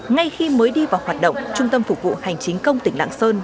ngay khi mới đi vào hoạt động trung tâm phục vụ hành chính công tỉnh lạng sơn